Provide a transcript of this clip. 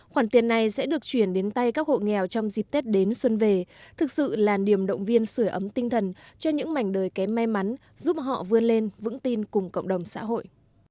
khoản tiền này sẽ được chuyển đến tay các hộ nghèo trong dịp tết đến xuân về thực sự là niềm động viên sửa ấm tinh thần cho những mảnh đời kém may mắn giúp họ vươn lên vững tin cùng cộng đồng xã hội